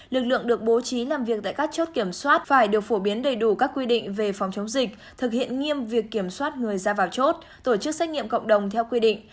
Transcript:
lực lượng được bố trí làm việc tại các chốt kiểm soát phải được phổ biến đầy đủ các quy định về phòng chống dịch thực hiện nghiêm việc kiểm soát người ra vào chốt tổ chức xét nghiệm cộng đồng theo quy định